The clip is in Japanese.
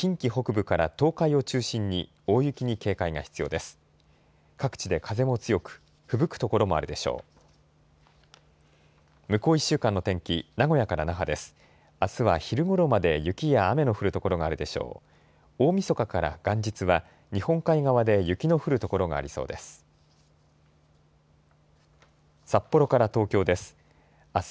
大みそかから元日は日本海側で雪の降る所がありそうです。